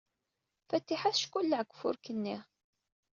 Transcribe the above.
Fatiḥa teckelleɛ deg ufurk-nni.